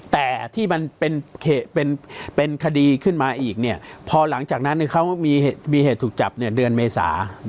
แต่ที่มันเป็นคดีขึ้นมาอีกพอหลังจากนั้นเขามีเหตุถูกจับเดือนเมษา